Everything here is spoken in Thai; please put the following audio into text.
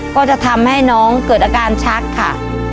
ก็จะทำให้น้องเกิดอาการชักค่ะ